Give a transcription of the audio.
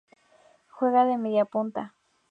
Juega de mediapunta.